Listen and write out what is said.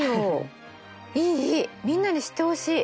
みんなに知ってほしい。